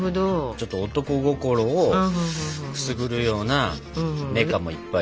ちょっと男心をくすぐるようなメカもいっぱい出てくる。